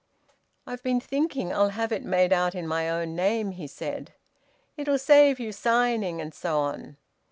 "I've been thinking I'll have it made out in my own name," he said. "It'll save you signing, and so on."